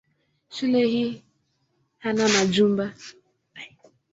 Shule hii hana majumba.